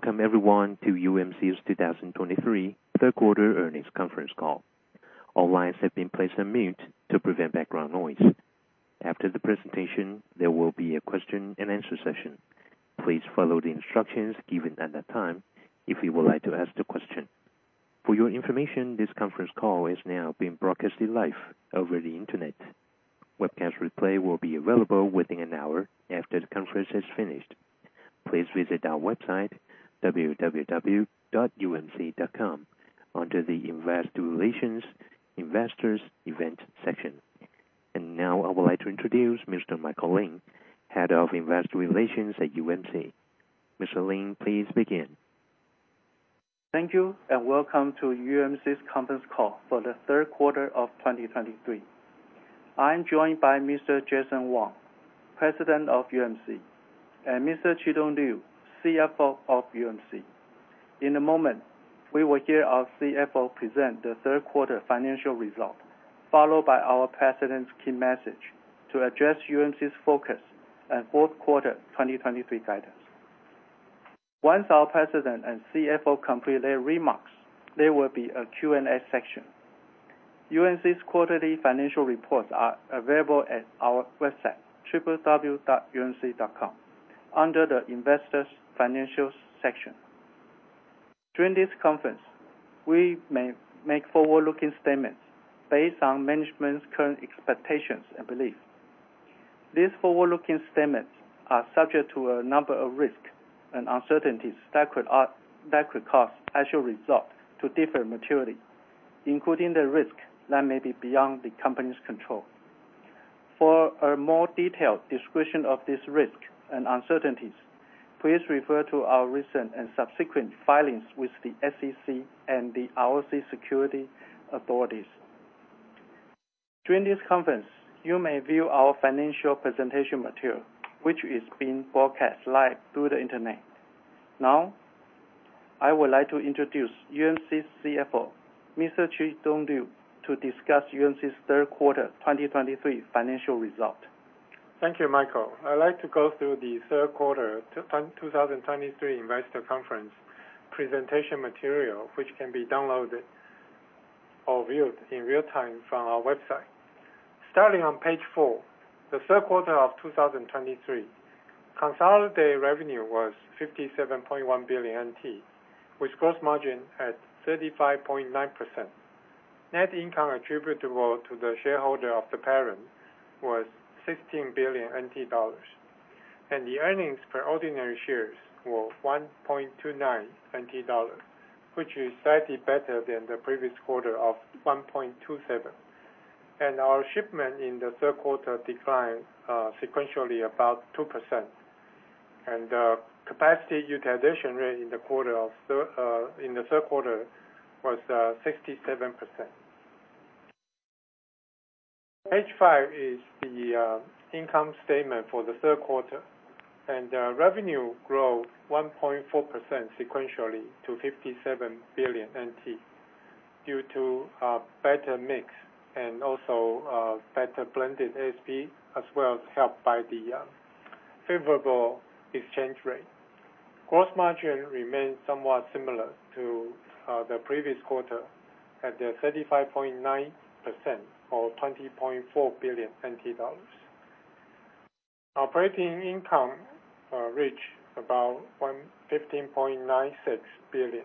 Welcome everyone to UMC's 2023 third quarter earnings conference call. All lines have been placed on mute to prevent background noise. After the presentation, there will be a question and answer session. Please follow the instructions given at that time if you would like to ask the question. For your information, this conference call is now being broadcasted live over the Internet. Webcast replay will be available within an hour after the conference has finished. Please visit our website, www.umc.com, under the Investor Relations, Investors Event section. Now I would like to introduce Mr. Michael Lin, Head of Investor Relations at UMC. Mr. Lin, please begin. Thank you, and welcome to UMC's conference call for the third quarter of 2023. I'm joined by Mr. Jason Wang, President of UMC, and Mr. Chi-Tung Liu, CFO of UMC. In a moment, we will hear our CFO present the third quarter financial result, followed by our president's key message to address UMC's focus and fourth quarter 2023 guidance. Once our president and CFO complete their remarks, there will be a Q&A section. UMC's quarterly financial reports are available at our website, www.umc.com, under the Investors Financial section. During this conference, we may make forward-looking statements based on management's current expectations and beliefs. These forward-looking statements are subject to a number of risks and uncertainties that could, that could cause actual results to differ materially, including the risk that may be beyond the company's control. For a more detailed description of this risk and uncertainties, please refer to our recent and subsequent filings with the SEC and the ROC security authorities. During this conference, you may view our financial presentation material, which is being broadcast live through the Internet. Now, I would like to introduce UMC's CFO, Mr. Chi-Tung Liu, to discuss UMC's third quarter 2023 financial result. Thank you, Michael. I'd like to go through the third quarter 2023 investor conference presentation material, which can be downloaded or viewed in real time from our website. Starting on page four, the third quarter of 2023, consolidated revenue was 57.1 billion NT, with gross margin at 35.9%. Net income attributable to the shareholder of the parent was 16 billion NT dollars, and the earnings per ordinary shares were 1.29 NT dollars, which is slightly better than the previous quarter of 1.27. And our shipment in the third quarter declined sequentially about 2%, and capacity utilization rate in the third quarter was 67%. Page five is the income statement for the third quarter, and revenue grew 1.4% sequentially to 57 billion NT, due to a better mix and also better blended ASP, as well as helped by the favorable exchange rate. Gross margin remains somewhat similar to the previous quarter at 35.9% or TWD 20.4 billion. Operating income reached about 15.96 billion,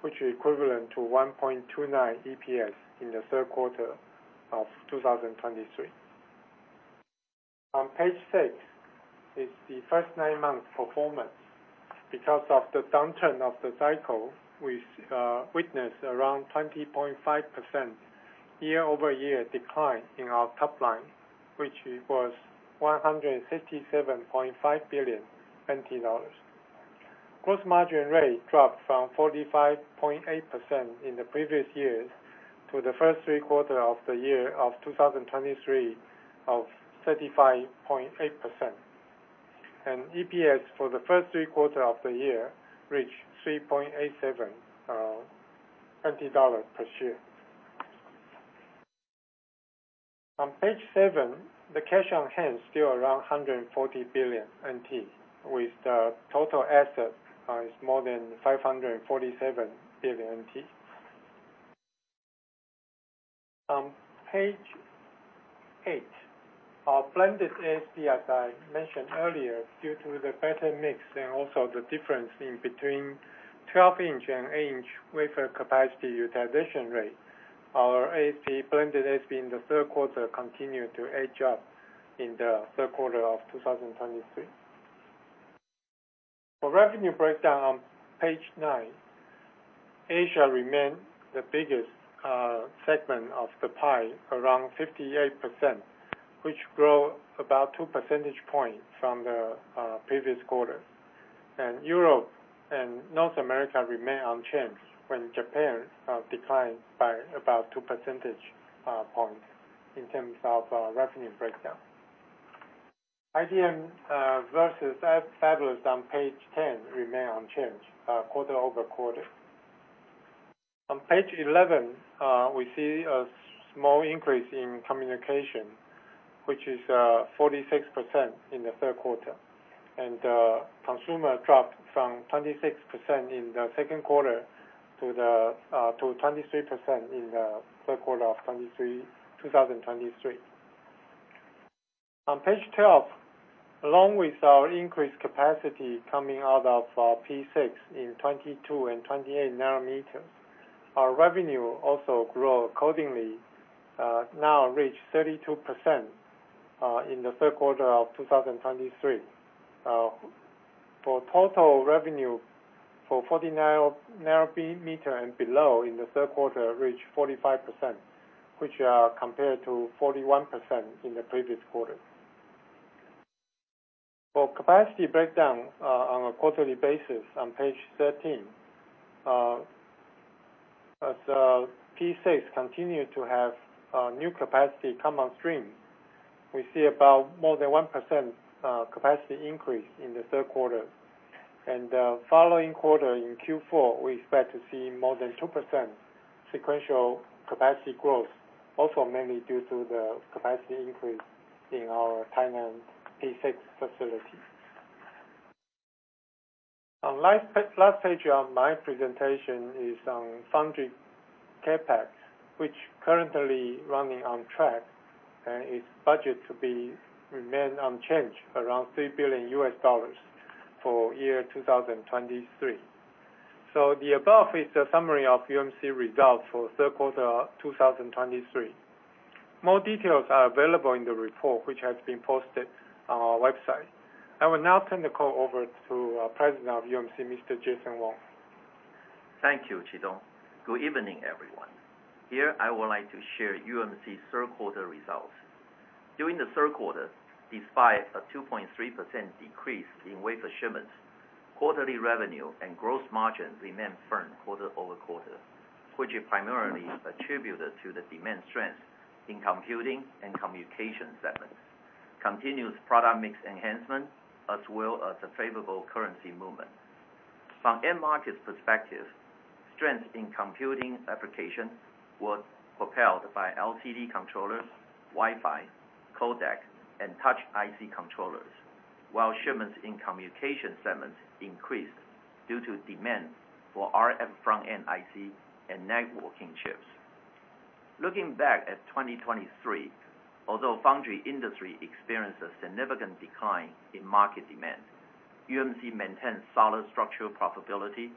which is equivalent to 1.29 EPS in the third quarter of 2023. On page six is the first nine-month performance. Because of the downturn of the cycle, we witnessed around 20.5% year-over-year decline in our top line, which was 157.5 billion. Gross margin rate dropped from 45.8% in the previous years to the first three quarter of the year of 2023 of 35.8%. EPS for the first three quarter of the year reached 3.87 TWD per share. On page seven, the cash on hand is still around 140 billion NT, with the total asset is more than 547 billion NT. On page eight, our blended ASP, as I mentioned earlier, due to the better mix and also the difference in between 12-inch and 8-inch wafer capacity utilization rate, our ASP, blended ASP in the third quarter continued to edge up in the third quarter of 2023. For revenue breakdown on page nine, Asia remains the biggest segment of the pie, around 58%, which grow about two percentage points from the previous quarter. Europe and North America remain unchanged, when Japan declined by about two percentage points in terms of revenue breakdown. IDM versus fabless on Page 10 remain unchanged quarter-over-quarter. On Page 11, we see a small increase in communication, which is 46% in the third quarter. Consumer dropped from 26% in the second quarter to 23% in the third quarter of 2023. On page 12, along with our increased capacity coming out of our P6 in 22 and 28 nanometers, our revenue also grow accordingly, now reach 32% in the third quarter of 2023. For total revenue for 40-nanometer and below in the third quarter reach 45%, which, compared to 41% in the previous quarter. For capacity breakdown, on a quarterly basis, on Page 13, as P6 continued to have new capacity come on stream, we see about more than 1% capacity increase in the third quarter. And, following quarter, in Q4, we expect to see more than 2% sequential capacity growth, also mainly due to the capacity increase in our Thailand P6 facility. On last page of my presentation is on foundry CapEx, which currently running on track, and it's budget to be remain unchanged around $3 billion for year 2023. So the above is the summary of UMC results for third quarter 2023. More details are available in the report, which has been posted on our website. I will now turn the call over to our President of UMC, Mr. Jason Wang. Thank you, Chi-Tung. Good evening, everyone. Here, I would like to share UMC's third quarter results. During the third quarter, despite a 2.3% decrease in wafer shipments, quarterly revenue and gross margin remained firm quarter-over-quarter, which is primarily attributed to the demand strength in computing and communication segments, continuous product mix enhancement, as well as a favorable currency movement. From end market perspective, strength in computing applications was propelled by LCD controllers, Wi-Fi, codec, and touch IC controllers, while shipments in communication segments increased due to demand for RF front-end IC and networking chips. Looking back at 2023, although foundry industry experienced a significant decline in market demand, UMC maintained solid structural profitability,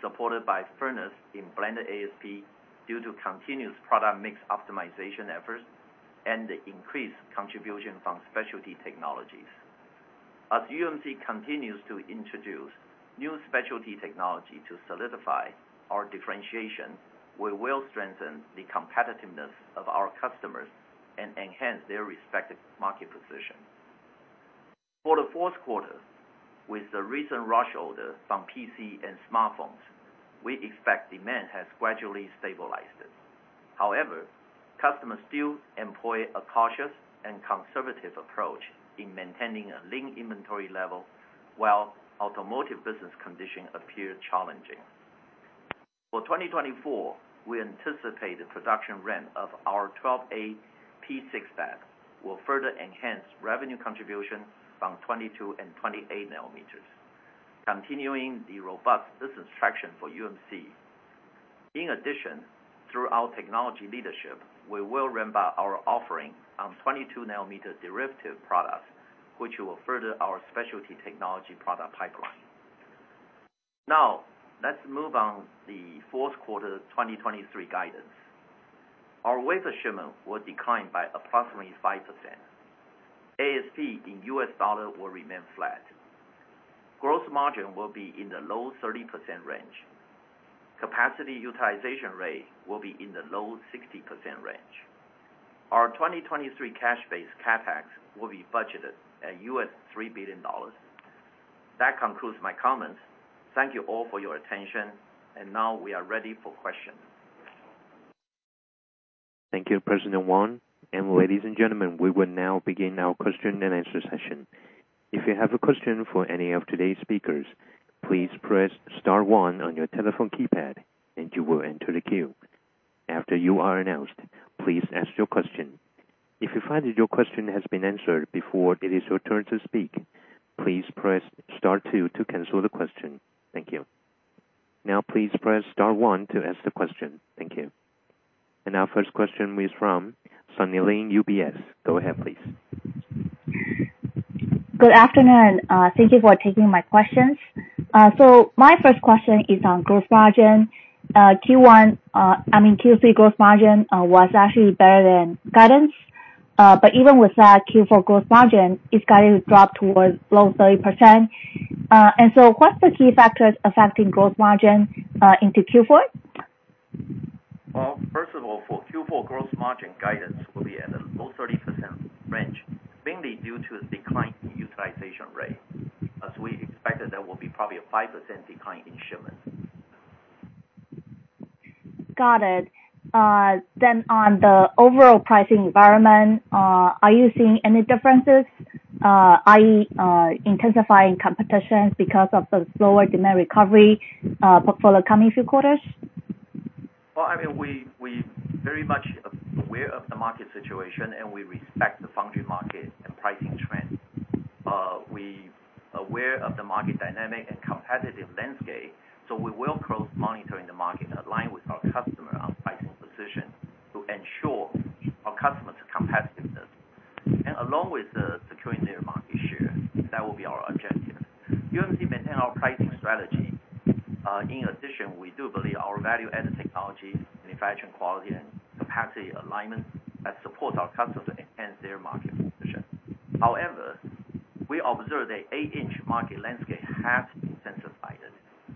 supported by firmness in blended ASP, due to continuous product mix optimization efforts and the increased contribution from specialty technologies. As UMC continues to introduce new specialty technology to solidify our differentiation, we will strengthen the competitiveness of our customers and enhance their respective market position. For the fourth quarter, with the recent rush order from PC and smartphones, we expect demand has gradually stabilized. However, customers still employ a cautious and conservative approach in maintaining a lean inventory level, while automotive business conditions appear challenging. For 2024, we anticipate the production ramp of our 12A P6 fab will further enhance revenue contribution from 22- and 28-nanometer, continuing the robust business traction for UMC. In addition, through our technology leadership, we will ramp up our offering on 22-nanometer derivative products, which will further our specialty technology product pipeline. Now, let's move on to the fourth quarter 2023 guidance. Our wafer shipment will decline by approximately 5%. ASP in U.S. dollar will remain flat. Gross margin will be in the low 30% range. Capacity utilization rate will be in the low 60% range. Our 2023 cash base CapEx will be budgeted at $3 billion. That concludes my comments. Thank you all for your attention, and now we are ready for questions. Thank you, President Wang. Ladies and gentlemen, we will now begin our question and answer session. If you have a question for any of today's speakers, please press star one on your telephone keypad, and you will enter the queue. After you are announced, please ask your question. If you find that your question has been answered before it is your turn to speak, please press star two to cancel the question. Thank you. Now, please press star one to ask the question. Thank you. Our first question is from Sunny Lin, UBS. Go ahead, please. Good afternoon. Thank you for taking my questions. So my first question is on gross margin. Q1, I mean, Q3 gross margin was actually better than guidance. But even with that, Q4 gross margin is going to drop towards low 30%. What's the key factors affecting gross margin into Q4? Well, first of all, for Q4 gross margin, guidance will be at a low 30% range, mainly due to a decline in utilization rate, as we expected there will be probably a 5% decline in shipments. Got it. Then on the overall pricing environment, are you seeing any differences, i.e., intensifying competitions because of the slower demand recovery, portfolio coming few quarters? Well, I mean, we very much aware of the market situation, and we respect the foundry market and pricing trend. We aware of the market dynamic and competitive landscape, so we will closely monitoring the market and align with our customer on pricing position to ensure our customer's competitiveness. And along with securing their market share, that will be our objective. UMC maintain our pricing strategy. In addition, we do believe our value-added technology, manufacturing quality, and capacity alignment that support our customers enhance their market position. However, we observe the 8-inch market landscape has intensified,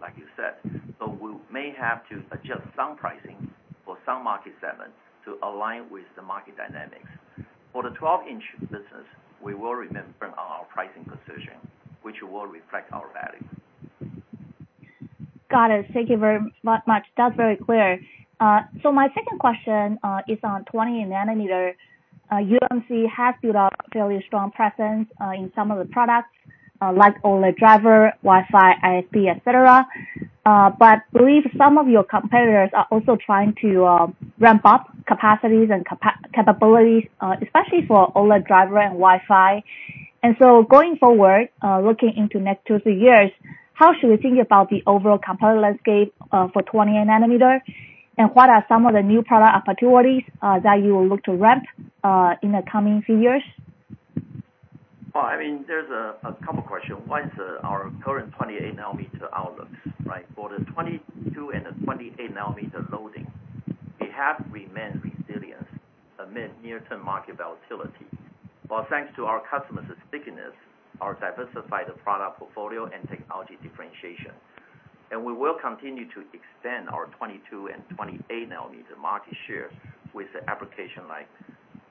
like you said, so we may have to adjust some pricing for some market segments to align with the market dynamics. For the 12-inch business, we will remain firm on our pricing position, which will reflect our value. Got it. Thank you very much. That's very clear. So my second question is on 20-nanometer. UMC has built a fairly strong presence in some of the products like OLED driver, Wi-Fi, ISP, et cetera. But I believe some of your competitors are also trying to ramp up capacities and capabilities, especially for OLED driver and Wi-Fi. And so going forward, looking into next 2 years, 3 years, how should we think about the overall competitor landscape for 20-nanometer? And what are some of the new product opportunities that you will look to ramp in the coming few years? Well, I mean, there's a couple questions. What is our current 28-nanometer outlook, right? For the 22- and 28-nanometer loading, we have remained resilient amid near-term market volatility. Well, thanks to our customers' stickiness, our diversified product portfolio and technology differentiation. And we will continue to extend our 22- and 28-nanometer market share with the application like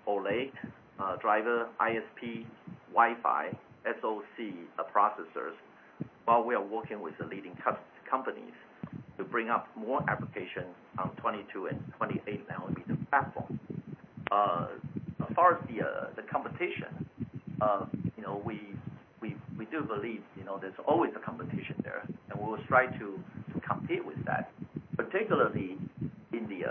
OLED driver, ISP, Wi-Fi, SoC processors, while we are working with the leading customer companies to bring up more applications on 22- and 28-nanometer platform. As far as the competition, you know, we do believe, you know, there's always a competition there, and we will strive to compete with that, particularly in the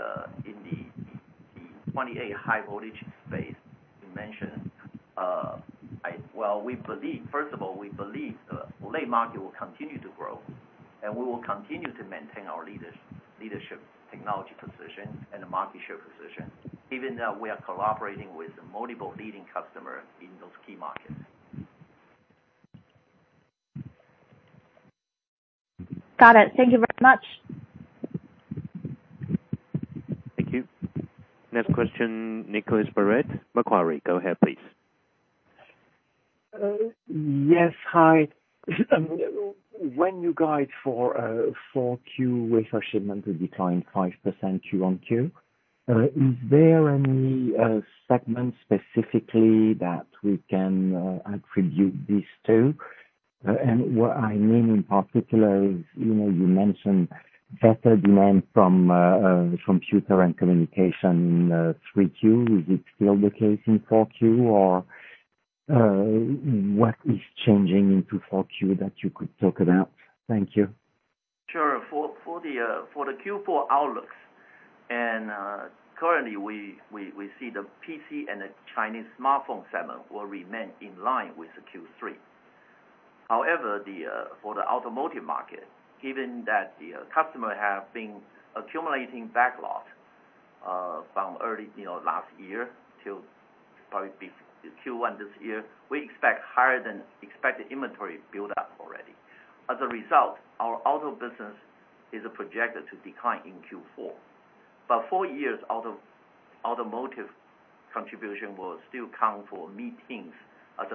28 high voltage space you mentioned. I... Well, we believe, first of all, we believe the OLED market will continue to grow, and we will continue to maintain our leadership, technology position, and the market share position, even though we are collaborating with multiple leading customer in those key markets. Got it. Thank you very much. Thank you. Next question, Nicolas Baratte, Macquarie. Go ahead, please. Yes, hi. When you guide for 4Q wafer shipment to decline 5% Q-on-Q, is there any segment specifically that we can attribute this to? And what I mean, in particular is, you know, you mentioned better demand from computer and communication 3Q. Is it still the case in 4Q, or what is changing into 4Q that you could talk about? Thank you. Sure. For the Q4 outlooks and currently, we see the PC and the Chinese smartphone segment will remain in line with the Q3. However, for the automotive market, given that the customer have been accumulating backlog from early, you know, last year to probably be Q1 this year, we expect higher than expected inventory build-up already. As a result, our auto business is projected to decline in Q4. But full years, automotive contribution will still count for mid-teens%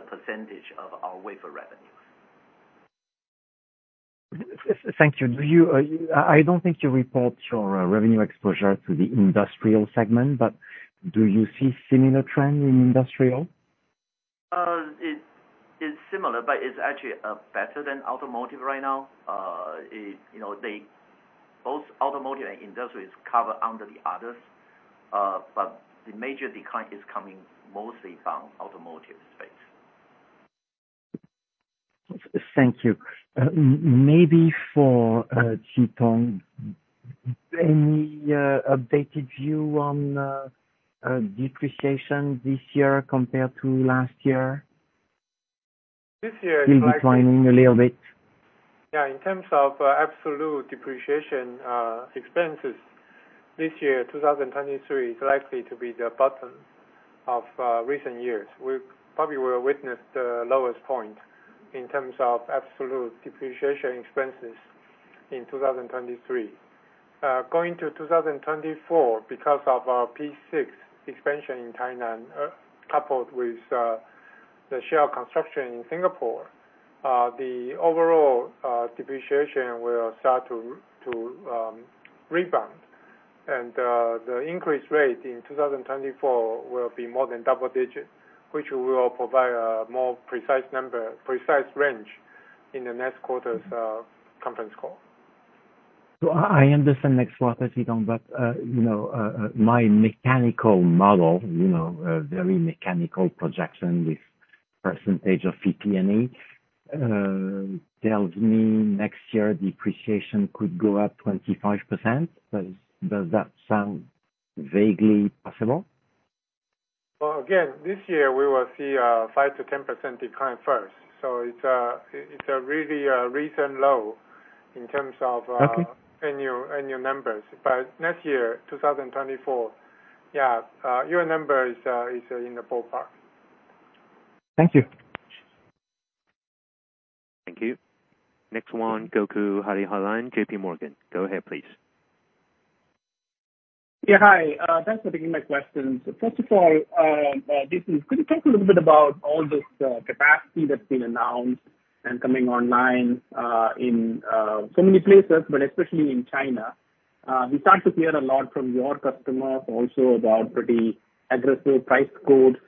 of our wafer revenues. Thank you. I don't think you report your revenue exposure to the industrial segment, but do you see similar trend in industrial? It's similar, but it's actually better than automotive right now. You know, both automotive and industrial is covered under the others, but the major decline is coming mostly from automotive space. Thank you. Maybe for Chi-Tung Liu, any updated view on depreciation this year compared to last year? This year- Declining a little bit. Yeah. In terms of absolute depreciation expenses, this year, 2023, is likely to be the bottom of recent years. We probably will witness the lowest point in terms of absolute depreciation expenses in 2023. Going to 2024, because of our P6 expansion in Tainan, coupled with the Fab construction in Singapore, the overall depreciation will start to rebound. And the increase rate in 2024 will be more than double-digit, which we will provide a more precise number, precise range, in the next quarter's conference call. I understand next quarter, Chi-Tung, but you know, my mechanical model, you know, a very mechanical projection with percentage of PP&E, tells me next year, depreciation could go up 25%. Does that sound vaguely possible? Well, again, this year we will see a 5%-10% decline first. So it's a really recent low in terms of- Okay. Annual, annual numbers. But next year, 2024, yeah, your number is in the ballpark. Thank you. Thank you. Next one, Gokul Hariharan, JP Morgan. Go ahead, please. Yeah, hi, thanks for taking my questions. First of all, could you talk a little bit about all this capacity that's been announced and coming online in so many places, but especially in China? We start to hear a lot from your customers also about pretty aggressive price quotes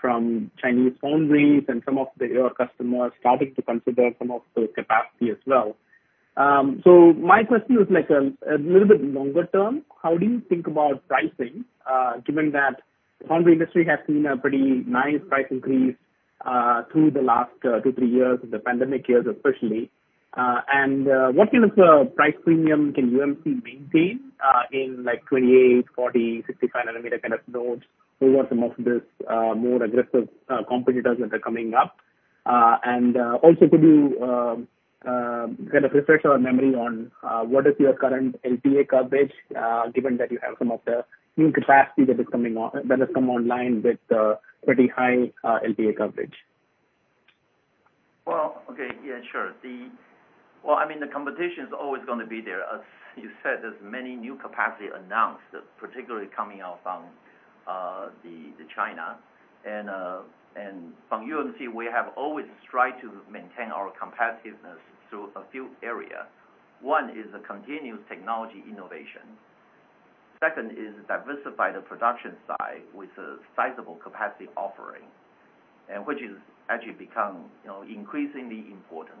from Chinese foundries and some of the your customers starting to consider some of the capacity as well. So my question is like, a little bit longer term: How do you think about pricing, given that foundry industry has seen a pretty nice price increase through the last 2-3-years, in the pandemic years especially? What kind of price premium can UMC maintain in like 28-, 40-, 65-nanometer kind of nodes over some of this more aggressive competitors that are coming up? Also, could you kind of refresh our memory on what is your current LTA coverage, given that you have some of the new capacity that is coming on, that has come online with pretty high LTA coverage? Well, okay. Yeah, sure. Well, I mean, the competition's always gonna be there. As you said, there's many new capacity announced, particularly coming out from the China. And from UMC, we have always tried to maintain our competitiveness through a few area. One is the continuous technology innovation. Second is diversify the production side with a sizable capacity offering, and which has actually become, you know, increasingly important.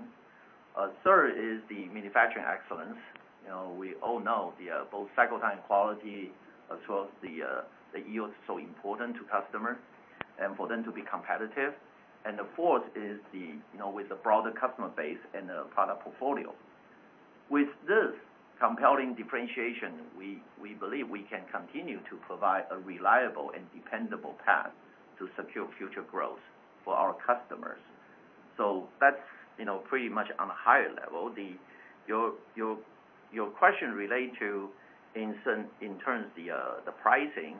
Third is the manufacturing excellence. You know, we all know both cycle time quality as well as the yield, so important to customer and for them to be competitive. And the fourth is the, you know, with the broader customer base and the product portfolio. With this compelling differentiation, we believe we can continue to provide a reliable and dependable path to secure future growth for our customers. So that's, you know, pretty much on a higher level. Your question relates to in some terms the pricing.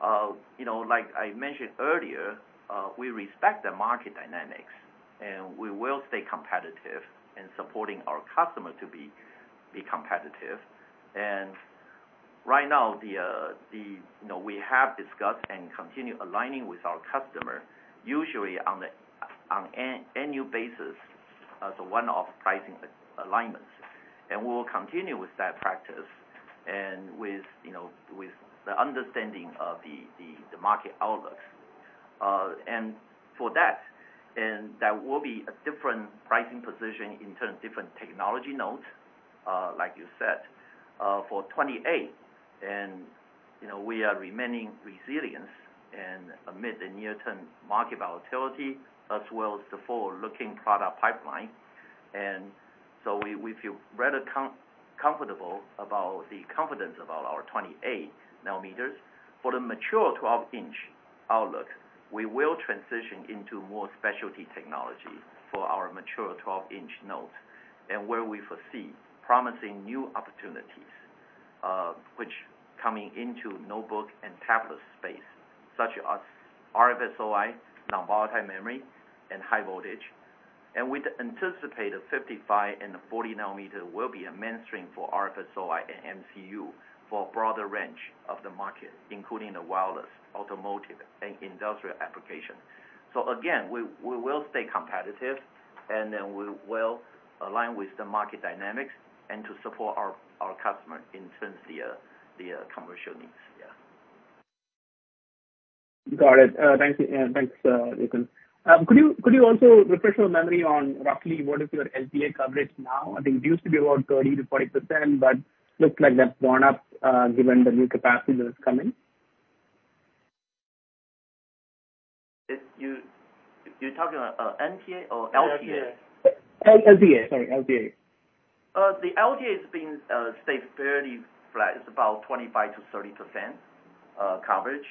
You know, like I mentioned earlier, we respect the market dynamics, and we will stay competitive in supporting our customers to be competitive. Right now, you know, we have discussed and continue aligning with our customer, usually on an annual basis, as a one-off pricing alignment. We will continue with that practice and with, you know, with the understanding of the market outlook. For that, that will be a different pricing position in terms of different technology nodes, like you said. For 28, you know, we are remaining resilient amid the near-term market volatility, as well as the forward-looking product pipeline. We feel rather comfortable about the confidence about our 28-nanometer. For the mature 12-inch outlook, we will transition into more specialty technology for our mature 12-inch nodes, and where we foresee promising new opportunities, which coming into notebook and tablet space, such as RFSOI, non-volatile memory, and high voltage. We'd anticipate a 55- and a 40-nanometer will be a mainstream for RFSOI and MCU for a broader range of the market, including the wireless, automotive, and industrial application. Again, we will stay competitive, and then we will align with the market dynamics and to support our customer in terms the commercial needs. Yeah. Got it. Thank you, and thanks, Jason. Could you also refresh your memory on roughly what is your LTA coverage now? I think it used to be about 30%-40%, but looks like that's gone up, given the new capacity that's coming. If you're talking about MTA or LTA? LTA, sorry, LTA. The LTA has been stayed fairly flat. It's about 25%-30% coverage.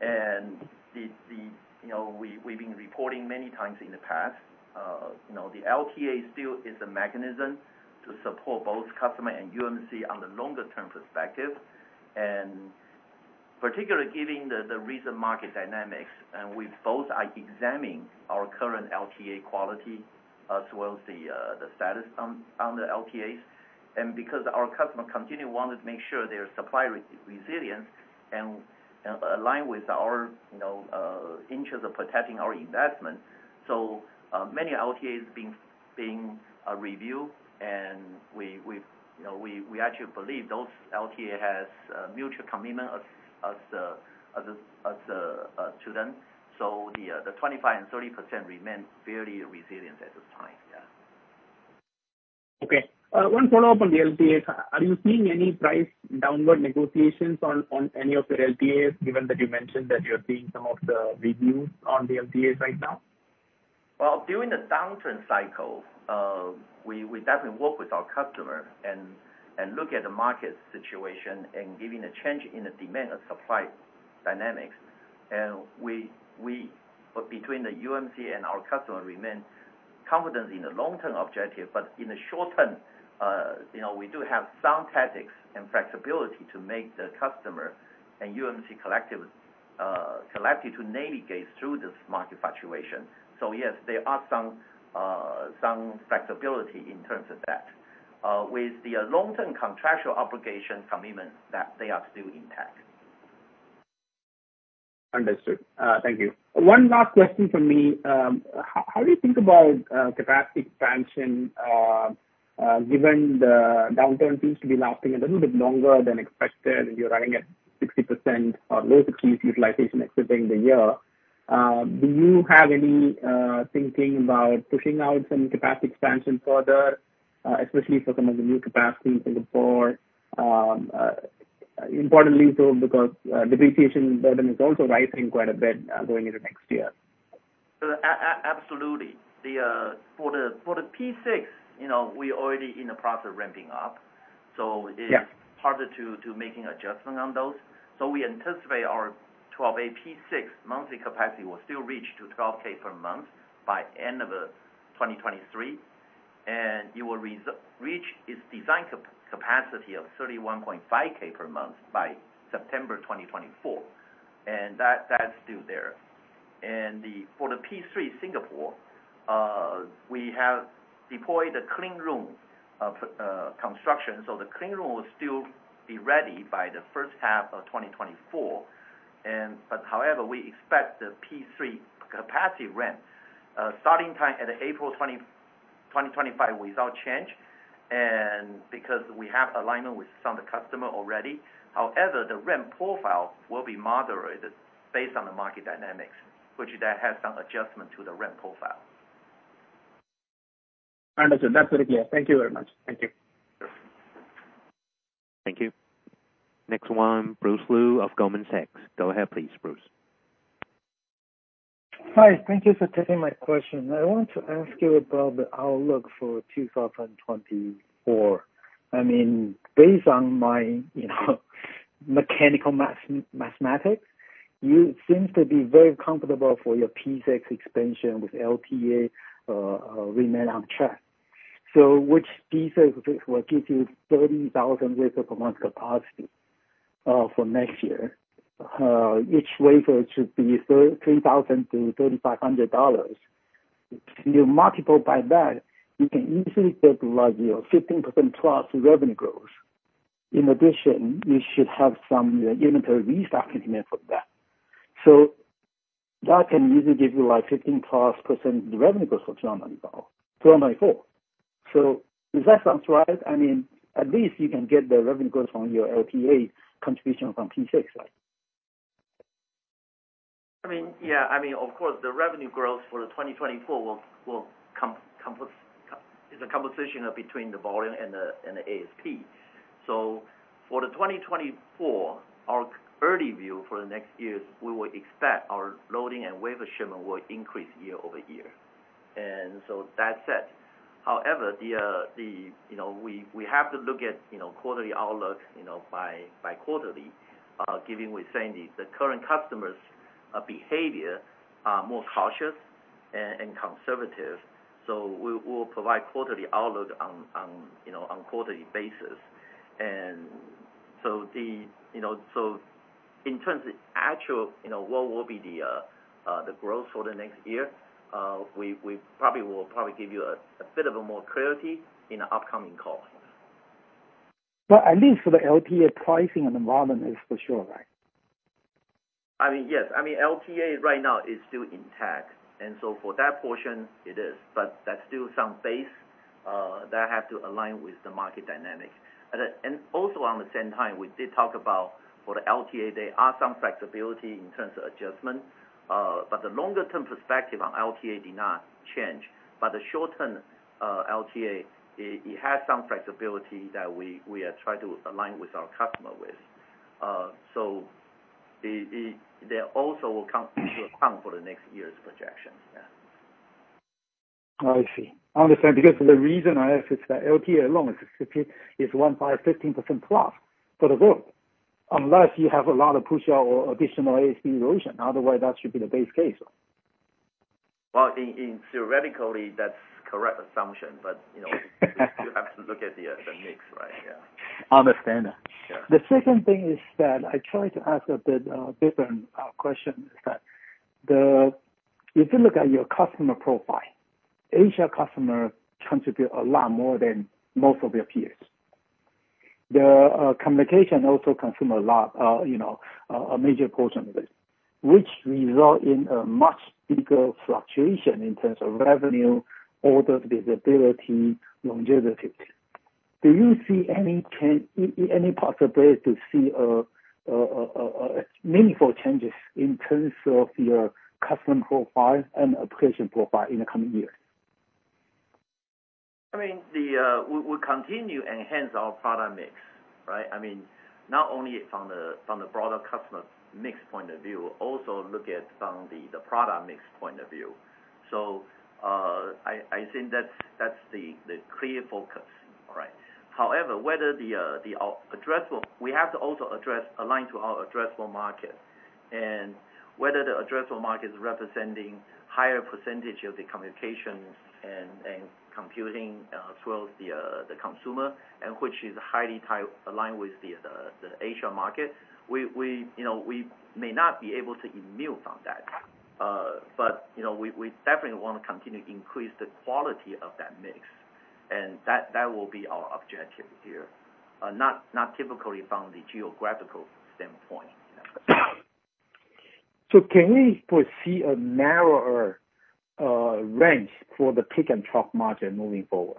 And you know, we've been reporting many times in the past, you know, the LTA still is a mechanism to support both customer and UMC on the longer term perspective. And particularly given the recent market dynamics, and we both are examining our current LTA quality as well as the status on the LTAs. And because our customer continue want to make sure their supply resilience and align with our, you know, interest of protecting our investment. So, many LTAs being reviewed, and we you know, we actually believe those LTA has mutual commitment as to them. The 25% and 30% remain fairly resilient at this time. Yeah.... Okay. One follow-up on the LTAs. Are you seeing any price downward negotiations on any of your LTAs, given that you mentioned that you're seeing some of the reviews on the LTAs right now? Well, during the downturn cycle, we definitely work with our customer and look at the market situation, and given the change in the demand and supply dynamics. And we, between the UMC and our customer, remain confident in the long-term objective. But in the short term, you know, we do have some tactics and flexibility to make the customer and UMC collective to navigate through this market fluctuation. So yes, there are some flexibility in terms of that. With the long-term contractual obligation commitment, that they are still intact. Understood. Thank you. One last question from me. How do you think about capacity expansion, given the downturn seems to be lasting a little bit longer than expected, and you're running at 60% of low sixties utilization exiting the year. Do you have any thinking about pushing out some capacity expansion further, especially for some of the new capacity in Singapore? Importantly, so because depreciation burden is also rising quite a bit, going into next year? So absolutely. For the P6, you know, we already in the process of ramping up, so- Yeah... it is harder to making adjustment on those. So we anticipate our 12 P6 monthly capacity will still reach to 12K per month by end of 2023, and it will reach its design capacity of 31.5K per month by September 2024, and that's still there. For the P3 Singapore, we have deployed a clean room construction, so the clean room will still be ready by the H1 of 2024. But however, we expect the P3 capacity ramp starting time at April 2025 without change, and because we have alignment with some of the customer already. However, the ramp profile will be moderated based on the market dynamics, which that has some adjustment to the ramp profile. Understood. That's it, yeah. Thank you very much. Thank you. Thank you. Next one, Bruce Lu of Goldman Sachs. Go ahead, please, Bruce. Hi, thank you for taking my question. I want to ask you about the outlook for 2024. I mean, based on my, you know, mechanical mathematics, you seems to be very comfortable for your P6 expansion with LTA remain on track. So with P6 will give you 30,000 wafer per month capacity for next year. Each wafer should be $3,000-$3,500. You multiple by that, you can easily get like, you know, 15%+ revenue growth. In addition, you should have some inventory restocking from that. So that can usually give you, like, 15%+ revenue growth for 2024, 2024. So does that sounds right? I mean, at least you can get the revenue growth from your LTA contribution from P6, right? I mean, yeah. I mean, of course, the revenue growth for the 2024 will. It's a composition between the volume and the ASP. So for the 2024, our early view for the next years, we will expect our loading and wafer shipment will increase year-over-year. And so that said, however, the, you know, we have to look at, you know, quarterly outlook, you know, by quarterly, given we're saying the current customers behavior are more cautious and conservative. So we will provide quarterly outlook on quarterly basis. So, you know, so in terms of actual, you know, what will be the growth for the next year, we probably will give you a bit more clarity in the upcoming call. At least for the LTA pricing and environment is for sure, right? I mean, yes. I mean, LTA right now is still intact, and so for that portion, it is. But there's still some base that have to align with the market dynamic. And also on the same time, we did talk about for the LTA, there are some flexibility in terms of adjustment, but the longer term perspective on LTA did not change. But the short term, LTA, it has some flexibility that we are trying to align with our customer with. So it, they also will come to account for the next year's projections. Yeah. I see. Understand, because the reason I ask is the LTA alone is 50, is 1 by 15%+ for the growth, unless you have a lot of push out or additional ASP erosion, otherwise, that should be the base case. Well, in theoretically, that's correct assumption, but, you know-... you have to look at the mix, right? Yeah. Understand. Yeah. The second thing is that I try to ask a bit different question. If you look at your customer profile, Asia customer contribute a lot more than most of your peers. The communication also consume a lot, you know, a major portion of it, which result in a much bigger fluctuation in terms of revenue, orders, visibility, longevity too. Do you see any change, any possibility to see meaningful changes in terms of your customer profile and application profile in the coming years? I mean, the, we, we continue enhance our product mix, right? I mean, not only from the, from the broader customer mix point of view, also look at from the, the product mix point of view. So, I think that's, that's the, the clear focus. All right. However, whether the, the addressable-- We have to also address, align to our addressable market, and whether the addressable market is representing higher percentage of the communication and, and computing, towards the, the consumer, and which is highly tied, aligned with the, the, the Asia market. We, we, you know, we may not be able to immune from that. But, you know, we, we definitely want to continue to increase the quality of that mix, and that will be our objective here not typically from the geographical standpoint. So can we foresee a narrower range for the peak-and-trough margin moving forward?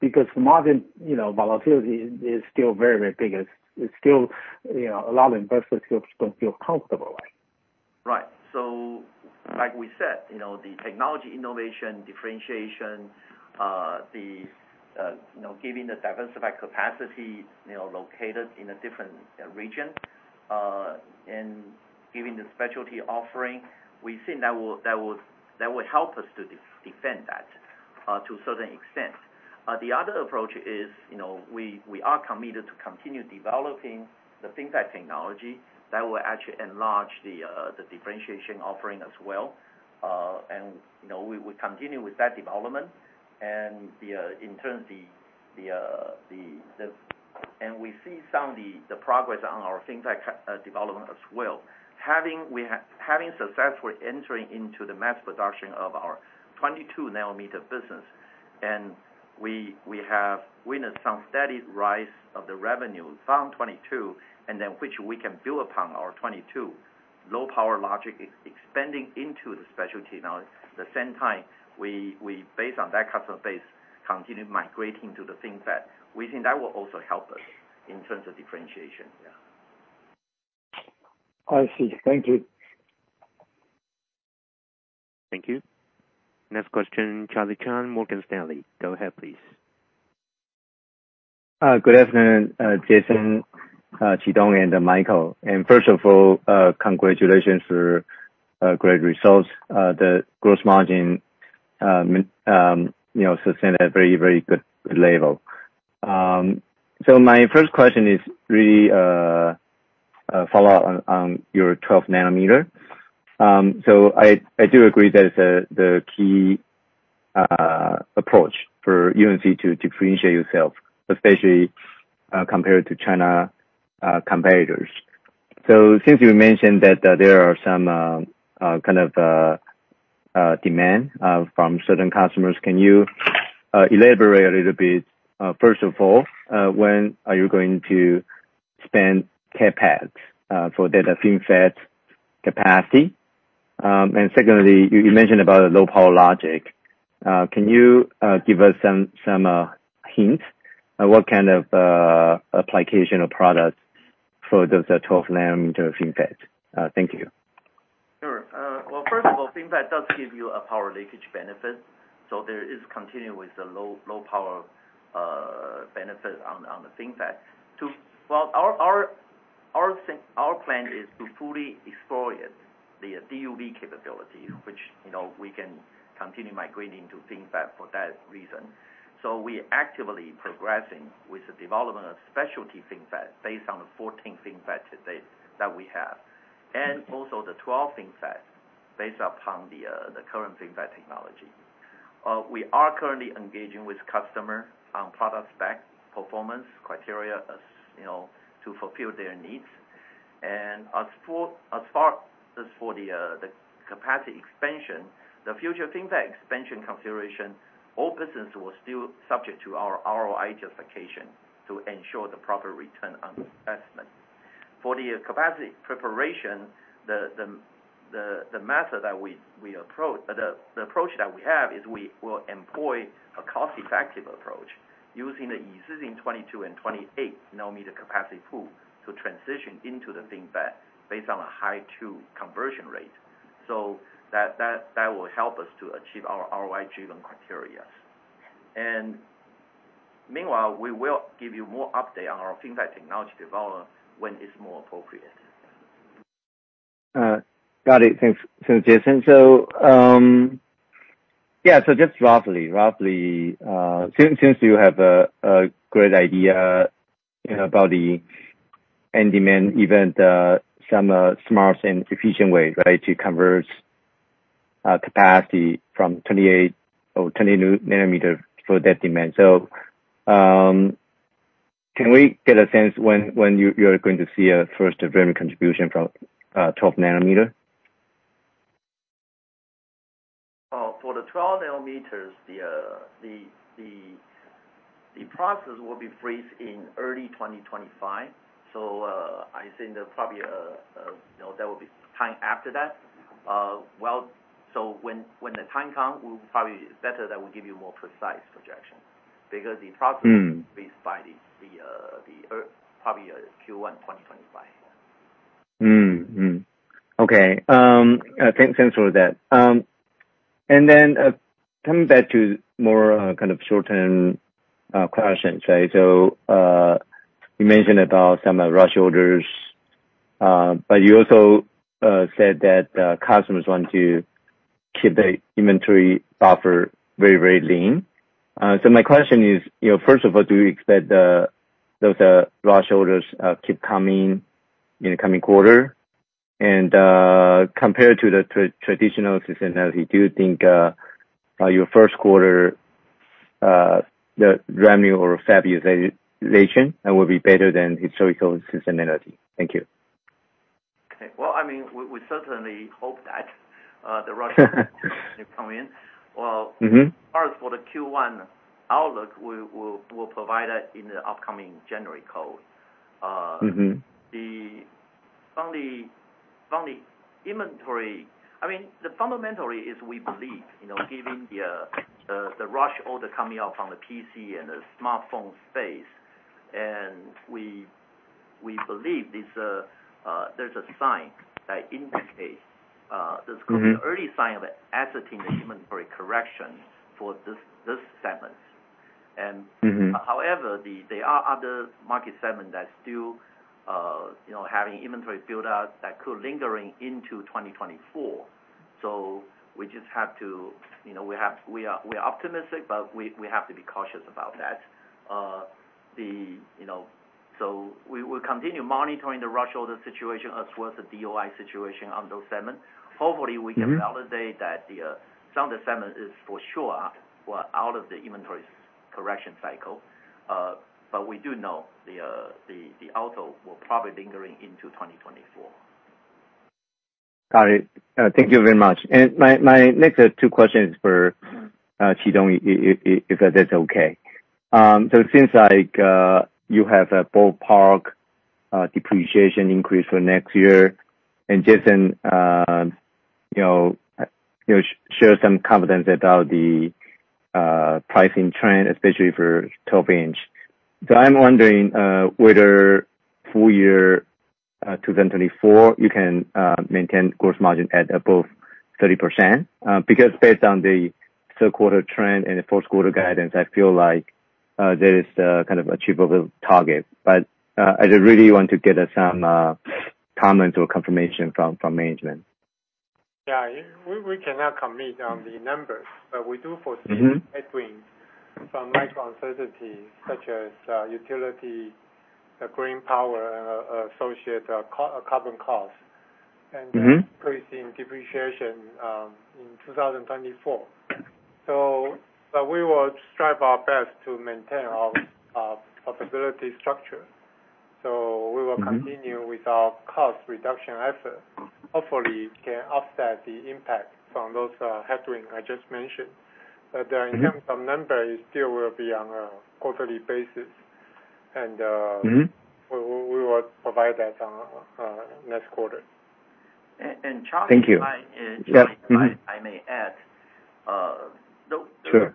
Because margin, you know, volatility is still very big. It's still, you know, a lot of investors feel, don't feel comfortable with. Right. So, like we said, you know, the technology innovation, differentiation, you know, giving the diversified capacity, you know, located in a different region. And giving the specialty offering, we think that will help us to defend that, to a certain extent. The other approach is, you know, we are committed to continue developing the FinFET technology that will actually enlarge the differentiation offering as well. And, you know, we continue with that development and the, in terms the. And we see some of the progress on our FinFET development as well. We have successfully entering into the mass production of our 22-nanometer business, and we have witnessed some steady rise of the revenue, some 22, and then which we can build upon our 22 low power logic expanding into the specialty now. At the same time, we based on that customer base continue migrating to the FinFET. We think that will also help us in terms of differentiation, yeah. I see. Thank you. Thank you. Next question, Charlie Chan, Morgan Stanley. Go ahead, please. Good afternoon, Jason, Chi-Tung, and Michael. First of all, congratulations for great results. The gross margin, you know, sustained at very, very good level. So my first question is really a follow on your 12-nanometer. So I do agree that is the key approach for UMC to differentiate yourself, especially compared to China competitors. So since you mentioned that there are some kind of demand from certain customers, can you elaborate a little bit? First of all, when are you going to spend CapEx for data FinFET capacity? And secondly, you mentioned about low power logic. Can you give us some hints on what kind of application or products for the 12-nanometer FinFET? Thank you. Sure. Well, first of all, FinFET does give you a power leakage benefit, so there is continue with the low power benefit on the FinFET. Our plan is to fully exploit the DUV capability, which, you know, we can continue migrating to FinFET for that reason. So we actively progressing with the development of specialty FinFET, based on the 14 FinFET to date that we have. And also the 12 FinFET, based upon the current FinFET technology. We are currently engaging with customer on product spec, performance, criteria, as, you know, to fulfill their needs. And as for the capacity expansion, the future FinFET expansion consideration, all business will still subject to our ROI justification to ensure the proper return on investment. For the capacity preparation, the method that we approach, the approach that we have, is we will employ a cost-effective approach using the existing 22-nanometer and 28-nanometer capacity pool to transition into the FinFET, based on a high two conversion rate. So that will help us to achieve our ROI-driven criteria. Meanwhile, we will give you more update on our FinFET technology development when it's more appropriate. Got it. Thanks. So, Jason, just roughly, since you have a great idea, you know, about the end demand, even some smart and efficient way to convert capacity from 28-nanometer or 20-nanometer for that demand. So, can we get a sense when you're going to see a first revenue contribution from 12-nanometer? For the 12 nanometers, the process will be phased in... in early 2025. So, I think there's probably, you know, there will be time after that. Well, so when the time come, we'll probably better that will give you more precise projections, because the process- Mm. -based by the probably Q1 2025. Okay. Thanks for that. And then, coming back to more, kind of short-term, questions. So, you mentioned about some rush orders, but you also said that customers want to keep the inventory offer very lean. So my question is, you know, first of all, do you expect those rush orders keep coming in the coming quarter? And, compared to the traditional seasonality, do you think your first quarter, the January or February relation, will be better than historical seasonality? Thank you. Okay. Well, I mean, we certainly hope that the rush order come in. Mm-hmm. Well, as for the Q1 outlook, we we'll provide that in the upcoming January call. Mm-hmm. From the inventory, I mean, the fundamentally is we believe, you know, given the rush order coming out from the PC and the smartphone space, and we believe there's a sign that indicates- Mm-hmm. There's going to be an early sign of it as it in the inventory correction for this segment. Mm-hmm. However, there are other market segments that still, you know, having inventory build out that could lingering into 2024. So we just have to, you know, we have—we are optimistic, but we, we have to be cautious about that. So we will continue monitoring the rush order situation as well as the DOI situation on those segments. Mm-hmm. Hopefully, we can validate that some of the segment is for sure, well, out of the inventory correction cycle. But we do know the auto will probably lingering into 2024. Got it. Thank you very much. And my next two questions for Chi-Tung, if that's okay. So it seems like you have a ballpark depreciation increase for next year, and Jason, you know, you know, share some confidence about the pricing trend, especially for 12-inch. So I'm wondering whether full-year 2024 you can maintain gross margin at above 30%? Because based on the third quarter trend and the fourth quarter guidance, I feel like there is a kind of achievable target. But I just really want to get some comments or confirmation from management. Yeah, we cannot commit on the numbers, but we do foresee- Mm-hmm Headwinds from micro uncertainties, such as utility, green power, associated carbon costs. Mm-hmm. Increasing depreciation in 2024. So, but we will strive our best to maintain our profitability structure. Mm-hmm. We will continue with our cost reduction effort, hopefully can offset the impact from those headwinds I just mentioned. Mm-hmm. But the income number is still will be on a quarterly basis, and, Mm-hmm... we will provide that on next quarter. A-and Charlie- Thank you. If I... Yep, mm-hmm. I may add, Sure.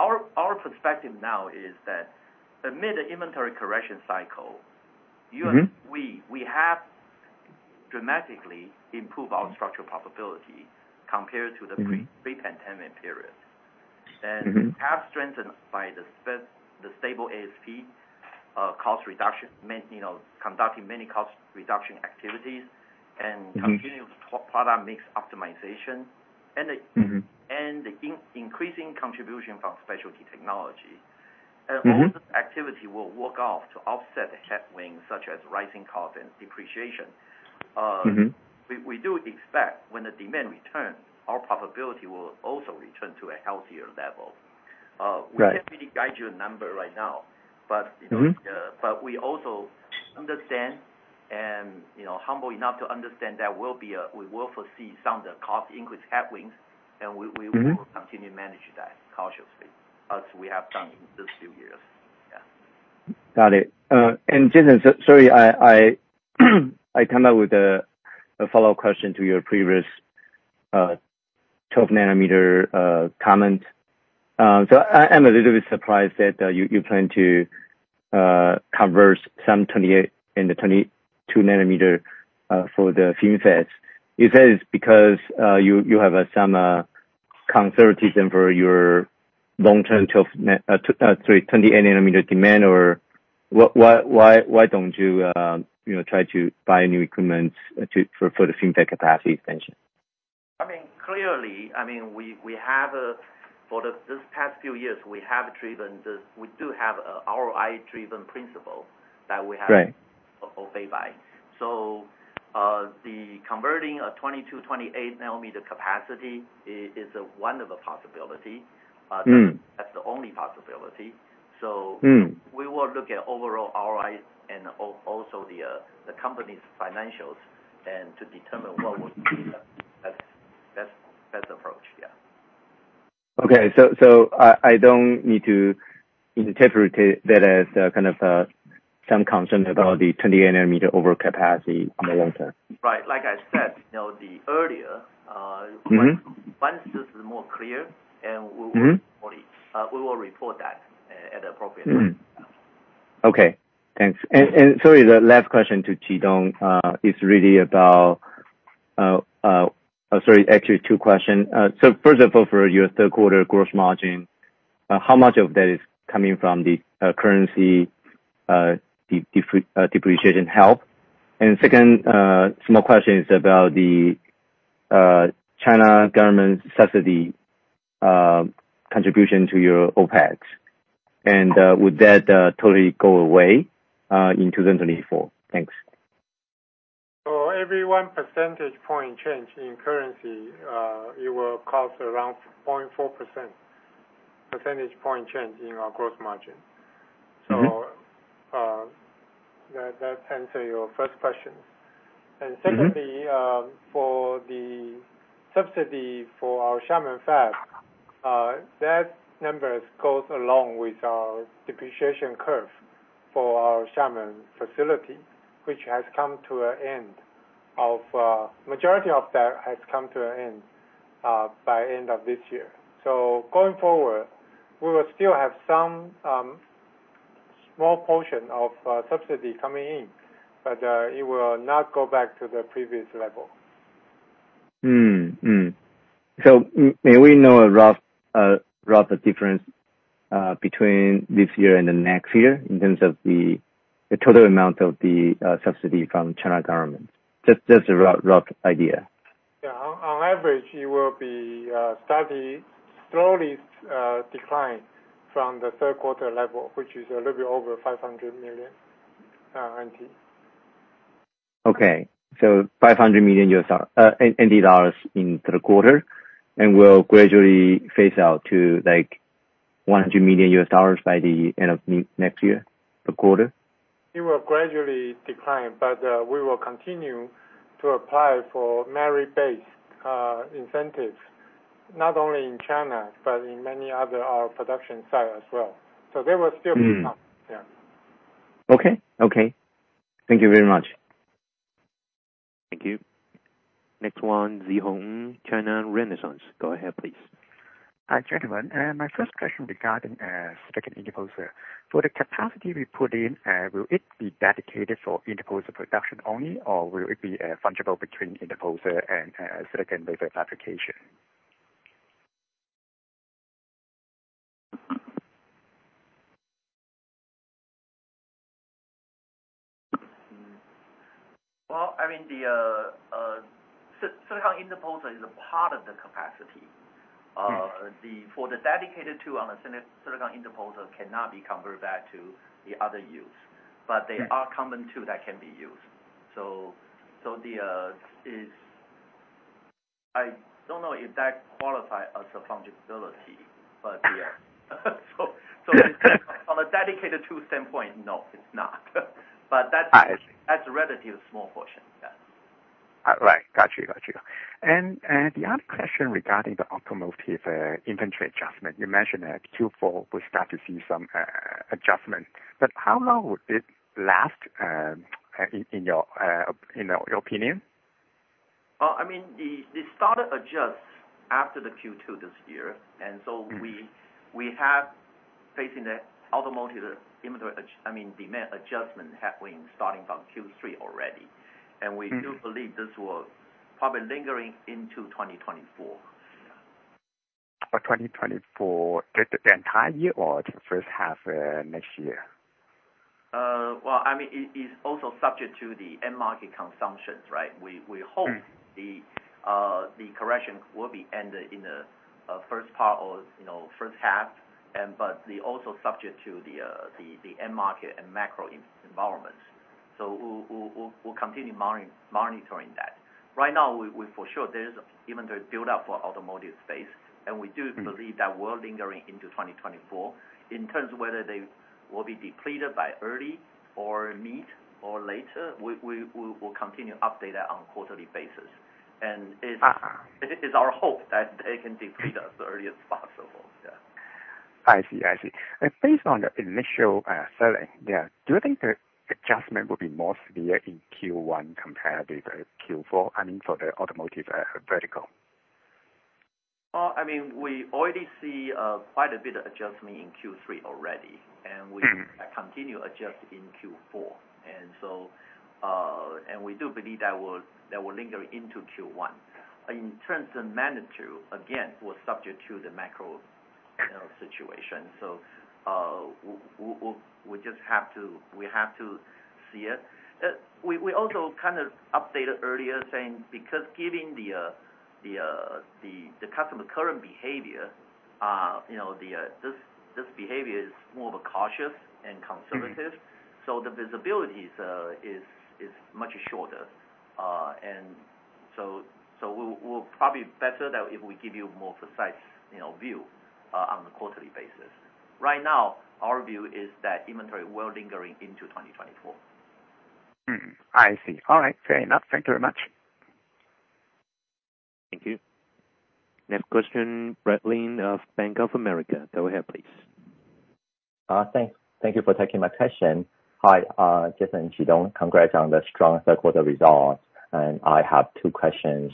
Our perspective now is that amid the inventory correction cycle- Mm-hmm ...you, we have dramatically improved our structural profitability compared to the- Mm-hmm... pre-pandemic period. Mm-hmm. We have strengthened by the stable ASP, cost reduction, you know, conducting many cost reduction activities and- Mm-hmm... continuing product mix optimization. And the- Mm-hmm... and the increasing contribution from specialty technology. Mm-hmm. All this activity will work out to offset the headwinds, such as rising cost and depreciation. Mm-hmm. We do expect when the demand returns, our profitability will also return to a healthier level. Right. We can't really guide you a number right now, but- Mm-hmm... but we also understand and, you know, humble enough to understand there will be a, we will foresee some of the cost increase headwinds, and we, we Mm-hmm... we will continue to manage that cautiously, as we have done in those two years. Yeah. Got it. And Jason, sorry, I come up with a follow-up question to your previous 12-nanometer comment. So I'm a little bit surprised that you plan to convert some 28-nanometer and 22-nanometer for the FinFETs. Is that because you have some conservatism for your long-term 28-nanometer demand? Or why don't you, you know, try to buy new equipment for the FinFET capacity expansion? I mean, clearly, we have, for this past few years, we have driven this. We do have an ROI-driven principle that we have- Right... obey by. So, the converting a 20-28 nanometer capacity is one of the possibility. Mm. That's the only possibility. So- Mm... we will look at overall ROI and also the company's financials and to determine what would be the- ... Okay, I don't need to interpret it that as kind of some concern about the 20-nanometer overcapacity in the long term? Right. Like I said, you know, the earlier, Mm-hmm. Once this is more clear. Mm-hmm. We will report that, at, at the appropriate time. Okay, thanks. And sorry, the last question to Chi-Tung Liu is really about... Sorry, actually two questions. So first of all, for your third quarter gross margin, how much of that is coming from the currency depreciation help? And second, small question is about the China government subsidy contribution to your OpEx, and would that totally go away in 2024? Thanks. So every one percentage point change in currency, it will cost around 0.4%, percentage point change in our gross margin. Mm-hmm. So, that answer your first question. Mm-hmm. Secondly, for the subsidy for our Xiamen fab, that number goes along with our depreciation curve for our Xiamen facility, which has come to an end of majority of that has come to an end by end of this year. Going forward, we will still have some small portion of subsidy coming in, but it will not go back to the previous level. So may we know a rough difference between this year and the next year in terms of the total amount of the subsidy from China government? Just a rough idea. Yeah. On average, it will be steady, slowly decline from the third quarter level, which is a little bit over 500 million NT. Okay. So 500 million NT dollars in third quarter, and will gradually phase out to, like, $100 million by the end of next year, per quarter? It will gradually decline, but we will continue to apply for merit-based incentives, not only in China, but in many other our production site as well. So there will still be some. Mm. Yeah. Okay. Okay. Thank you very much. Thank you. Next one, Szeho Ng, China Renaissance. Go ahead, please. Hi, gentlemen. My first question regarding silicon interposer. For the capacity we put in, will it be dedicated for interposer production only, or will it be fungible between interposer and silicon wafer fabrication? Well, I mean, the silicon interposer is a part of the capacity. Mm-hmm. The dedicated tool on the silicon interposer cannot be converted back to the other use, but there are common tool that can be used. So, I don't know if that qualify as a fungibility, but, yeah. On a dedicated tool standpoint, no, it's not. But that's- I see. That's a relatively small portion. Yeah. Right. Got you. Got you. And the other question regarding the automotive inventory adjustment. You mentioned that Q4, we start to see some adjustment, but how long would it last in your opinion? I mean, they started adjust after the Q2 this year, and so- Mm-hmm... we have facing the automotive inventory adjustment, I mean, demand adjustment happening starting from Q3 already. Mm-hmm. We do believe this will probably lingering into 2024. Yeah. For 2024, the entire year or the H1, next year? Well, I mean, it's also subject to the end market consumptions. We hope- Mm. The correction will be ended in the first part or, you know, H1, and but also subject to the end market and macro environment. So we will continue monitoring that. Right now, for sure there's inventory build-up for automotive space, and we do believe- Mm... that will linger into 2024. In terms of whether they will be depleted by early or mid or later, we will continue to update that on quarterly basis. And it's- Uh-huh... it is our hope that they can deplete as early as possible. Yeah. I see. I see. And based on the initial selling, yeah, do you think the adjustment will be more severe in Q1 compared with Q4? I mean, for the automotive vertical. I mean, we already see quite a bit of adjustment in Q3 already. Mm-hmm. We continue adjust in Q4, and so, and we do believe that will linger into Q1. In terms of magnitude, again, we're subject to the macro, you know, situation. So, we just have to see it. We also kind of updated earlier, saying because giving the customer current behavior, you know, this behavior is more of a cautious and conservative. Mm-hmm. So the visibility is much shorter. And so, so we'll probably better that if we give you more precise, you know, view on a quarterly basis. Right now, our view is that inventory will lingering into 2024.... Mm-hmm. I see. All right, fair enough. Thank you very much. Thank you. Next question, Brad Lin of Bank of America. Go ahead, please. Thanks. Thank you for taking my question. Hi, Jason Wang, congrats on the strong third quarter results, and I have two questions.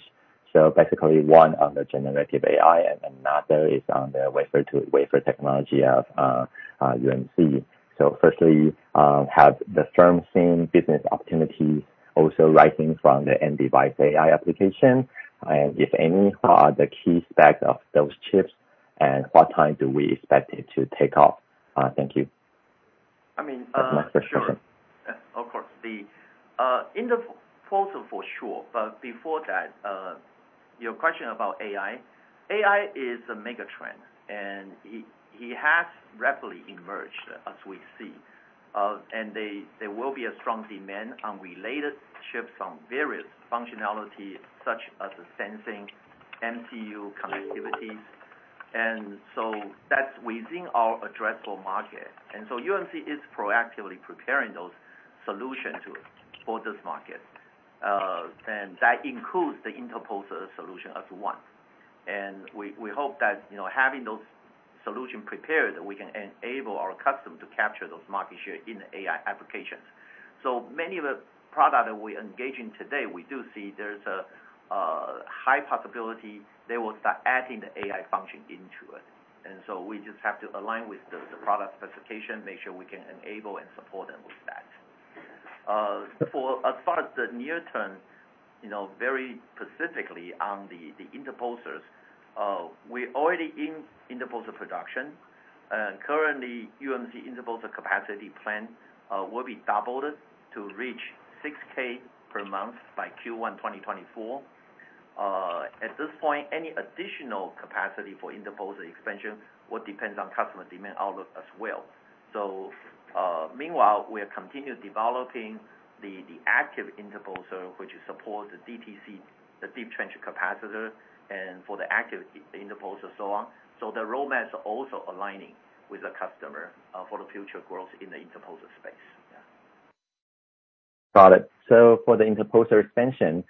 So basically, one on the generative AI, and another is on the wafer to wafer technology of UMC. So firstly, have the firm seen business opportunities also rising from the end device AI application? And if any, are the key specs of those chips, and what time do we expect it to take off? Thank you. I mean, sure. That's my first question. Of course. The in the portal for sure, but before that, your question about AI. AI is a mega trend, and it has rapidly emerged as we see. And there will be a strong demand on related chips on various functionality such as the sensing, MTU connectivities. And so that's within our addressable market. And so UMC is proactively preparing those solution to for this market, and that includes the interposer solution as one. And we hope that, you know, having those solution prepared, we can enable our customer to capture those market share in the AI applications. So many of the product that we're engaging today, we do see there's a high possibility they will start adding the AI function into it. So we just have to align with the product specification, make sure we can enable and support them with that. For as far as the near term, you know, very specifically on the interposers, we're already in interposer production. Currently, UMC interposer capacity plan will be doubled to reach 6K per month by Q1 2024. At this point, any additional capacity for interposer expansion will depends on customer demand out as well. So, meanwhile, we are continue developing the active interposer, which support the DTC, the deep trench capacitor, and for the active interposer so on. So the roadmap is also aligning with the customer for the future growth in the interposer space. Yeah. Got it. So for the interposer expansion,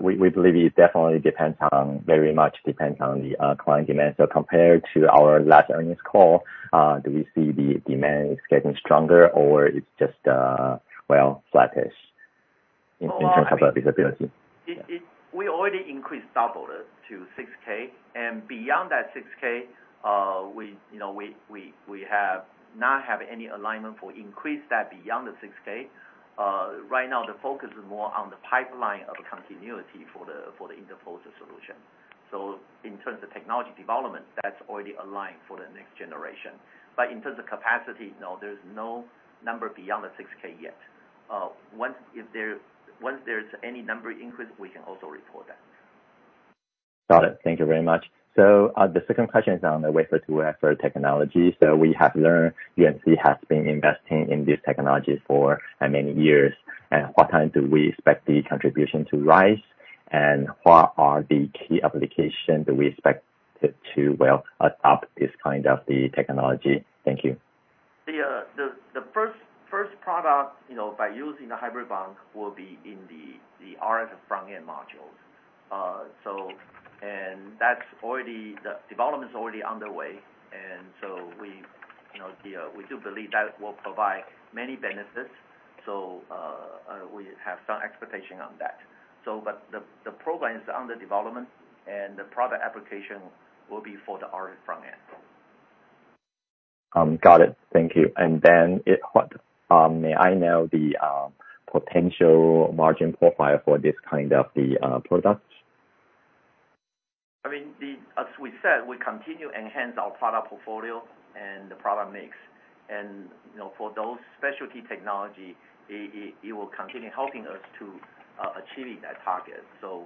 we believe it definitely depends on, very much depends on the client demand. So compared to our last earnings call, do we see the demand is getting stronger or it's just well, flattish in terms of visibility? We already increased double to 6K, and beyond that 6K, you know, we have not have any alignment for increase that beyond the 6K. Right now, the focus is more on the pipeline of continuity for the interposer solution. So in terms of technology development, that's already aligned for the next generation. But in terms of capacity, no, there's no number beyond the 6K yet. Once there's any number increase, we can also report that. Got it. Thank you very much. So, the second question is on the wafer to wafer technology. So we have learned UMC has been investing in this technology for many years, and what time do we expect the contribution to rise? And what are the key applications that we expect to, well, adopt this kind of the technology? Thank you. The first product, you know, by using the Hybrid Bond will be in the RF front-end modules. So, and that's already... The development is already underway, and so we, you know, we do believe that will provide many benefits. So, we have some expectation on that. So but the program is under development, and the product application will be for the RF front end. Got it. Thank you. And then may I know the potential margin profile for this kind of the product? I mean, as we said, we continue enhance our product portfolio and the product mix. And, you know, for those specialty technology, it will continue helping us to achieving that target. So,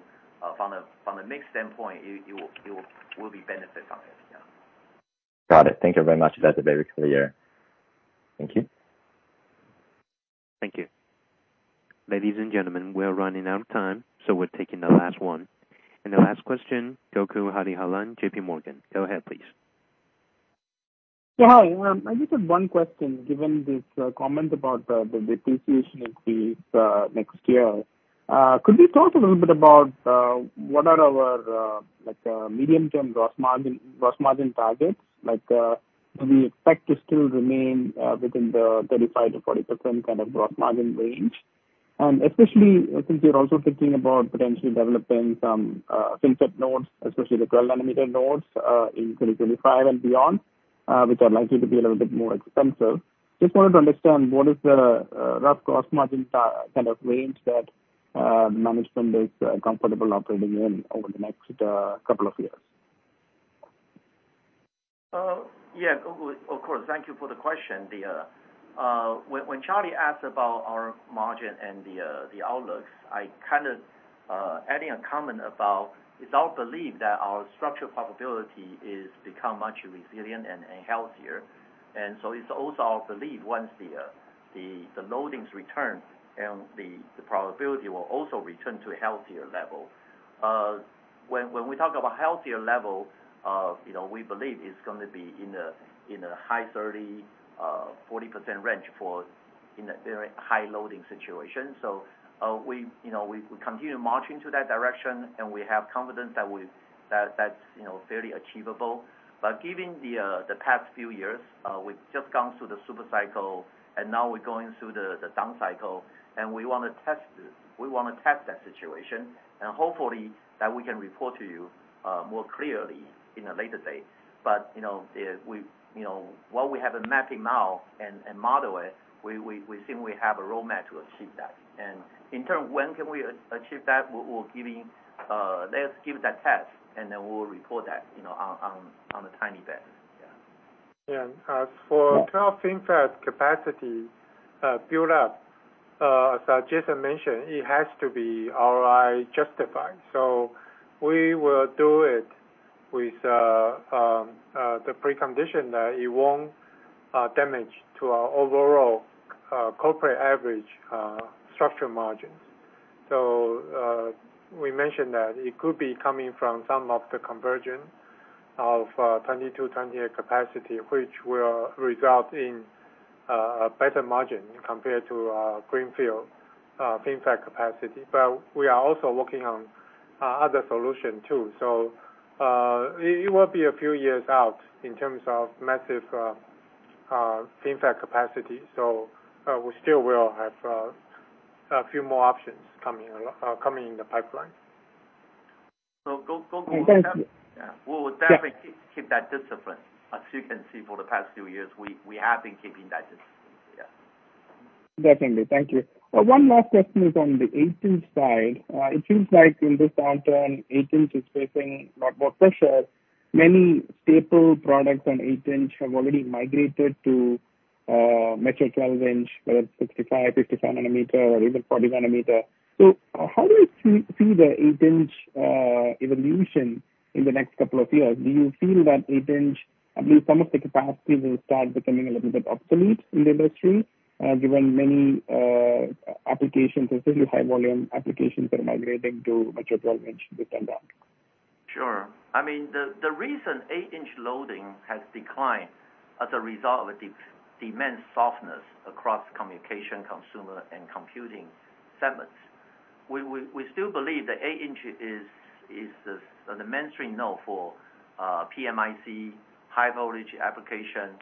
from a, from a mix standpoint, it will be benefit from it. Yeah. Got it. Thank you very much. That's very clear. Thank you. Thank you. Ladies and gentlemen, we are running out of time, so we're taking the last one. The last question, Gokul Hariharan, JP Morgan. Go ahead, please. Yeah. Hi, I just have one question, given this comment about the depreciation increase next year. Could you talk a little bit about what are our like medium-term gross margin, gross margin targets? Like, do we expect to still remain within the 35%-40% kind of gross margin range? And especially since you're also thinking about potentially developing some chipset nodes, especially the 12-nanometer nodes, in 2025 and beyond, which are likely to be a little bit more expensive. Just wanted to understand what is the rough gross margin kind of range that management is comfortable operating in over the next couple of years?... Yeah, of course, thank you for the question. When Charlie asked about our margin and the outlooks, I kind of adding a comment about it's our belief that our structural profitability is become much resilient and healthier. And so it's also our belief once the loadings return and the profitability will also return to a healthier level. When we talk about healthier level, you know, we believe it's gonna be in a high 30, 40% range for in a very high loading situation. So, we, you know, we continue to march into that direction, and we have confidence that we've-- that, that's, you know, fairly achievable. But given the past few years, we've just gone through the super cycle, and now we're going through the down cycle, and we want to test it. We want to test that situation, and hopefully, that we can report to you more clearly in a later date. But, you know, we, you know, while we have a mapping now and model it, we think we have a roadmap to achieve that. And in turn, when can we achieve that, we'll giving, let's give that test, and then we'll report that, you know, on a timely basis. Yeah. For 12 FinFET capacity build up, as Jason mentioned, it has to be ROI justified. So we will do it with the precondition that it won't damage to our overall corporate average structural margins. So, we mentioned that it could be coming from some of the conversion of 22, 28 capacity, which will result in a better margin compared to our greenfield FinFET capacity. But we are also working on other solution too. So, it will be a few years out in terms of massive FinFET capacity. So, we still will have a few more options coming along, coming in the pipeline. So go, go, go. Thank you. Yeah, we will definitely- Yeah. Keep that discipline. As you can see, for the past few years, we, we have been keeping that discipline. Yeah. Definitely. Thank you. One last question is on the 8-inch side. It seems like in the short term, 8-inch is facing a lot more pressure. Many staple products on 8-inch have already migrated to mature 12-inch, whether it's 65, 55 nanometer or even 40 nanometer. So how do you see the 8-inch evolution in the next couple of years? Do you feel that 8-inch, at least some of the capacity, will start becoming a little bit obsolete in the industry, given many applications, especially high volume applications, are migrating to mature 12-inch with time down? Sure. I mean, the reason 8-inch loading has declined as a result of the demand softness across communication, consumer, and computing segments. We still believe the 8-inch is the mainstream now for PMIC high voltage application,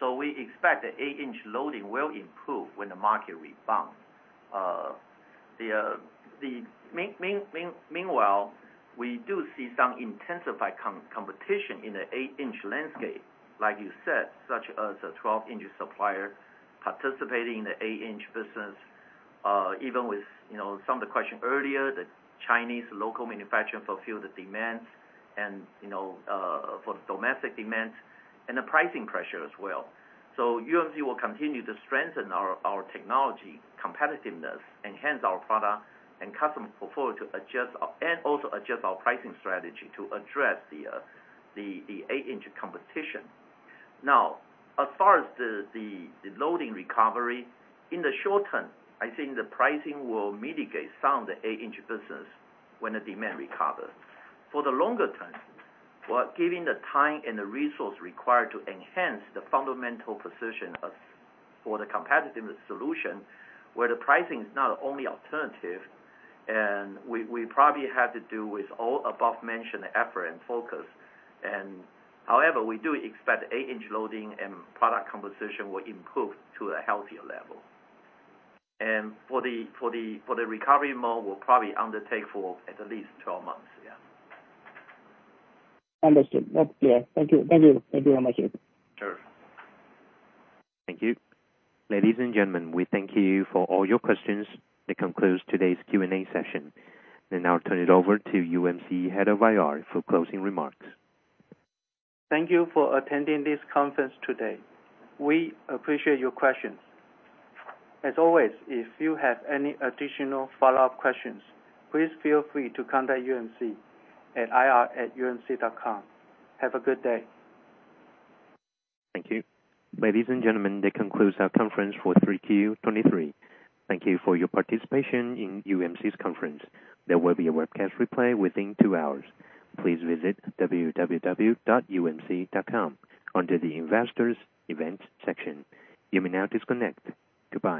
so we expect the 8-inch loading will improve when the market rebounds. Meanwhile, we do see some intensified competition in the 8-inch landscape, like you said, such as a 12-inch supplier participating in the 8-inch business. Even with, you know, some of the question earlier, the Chinese local manufacturer fulfill the demands and, you know, for the domestic demand and the pricing pressure as well. So UMC will continue to strengthen our technology competitiveness, enhance our product and customer portfolio to adjust our... And also adjust our pricing strategy to address the 8-inch competition. Now, as far as the loading recovery, in the short term, I think the pricing will mitigate some of the 8-inch business when the demand recovers. For the longer term, well, giving the time and the resource required to enhance the fundamental position of, for the competitiveness solution, where the pricing is not the only alternative, and we probably have to do with all above mentioned effort and focus. However, we do expect the 8-inch loading and product composition will improve to a healthier level. And for the recovery mode, we'll probably undertake for at least 12 months. Yeah. Understood. That's yeah. Thank you. Thank you. Thank you very much. Sure. Thank you. Ladies and gentlemen, we thank you for all your questions. That concludes today's Q&A session. We now turn it over to UMC head of IR for closing remarks. Thank you for attending this conference today. We appreciate your questions. As always, if you have any additional follow-up questions, please feel free to contact UMC at ir@umc.com. Have a good day. Thank you. Ladies and gentlemen, that concludes our conference for Q3 2023. Thank you for your participation in UMC's conference. There will be a webcast replay within 2 hours. Please visit www.umc.com under the Investors Events section. You may now disconnect. Goodbye.